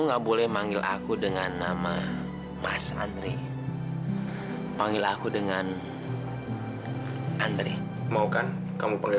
enggak boleh manggil aku dengan nama mas andre panggil aku dengan andre mau kan kamu panggil